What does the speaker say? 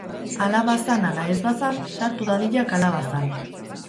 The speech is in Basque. Hala bazan ala ez bazan, sartu dadila kalabazan.